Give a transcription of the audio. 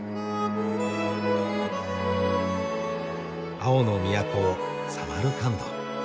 青の都サマルカンド。